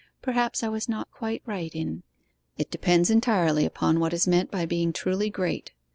Perhaps I was not quite right in ' 'It depends entirely upon what is meant by being truly great.